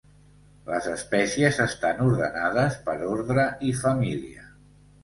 Les espècies estan ordenades per ordre i família.